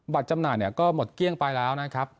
บัตรจำหน่ายก็หมดเกี่ยงไปแล้วนะครับ